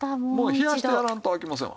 冷やしてやらんとあきませんわ。